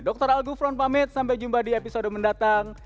dr algufron pamit sampai jumpa di episode mendatang